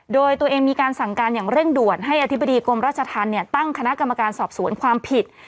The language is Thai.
โดยตัวเองมีการสั่งการอย่างเร่งด่วนให้อธิบดีกรมราชธรรมตั้งคณะกรรมการสอบสวนความผิด